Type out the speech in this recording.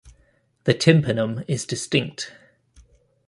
The tympanum is distinct.